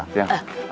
selamat siang pak